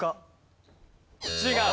違う。